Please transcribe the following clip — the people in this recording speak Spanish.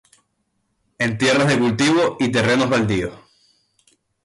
En tierras de cultivo y terrenos baldíos.